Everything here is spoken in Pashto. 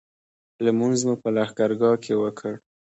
لمونځ مو په لښکرګاه کې وکړ.